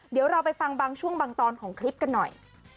เดี๋ยวเราไปฟังบางช่วงบางตอนของคลิปกันหน่อย